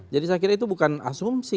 jadi saya kira itu bukan asumsi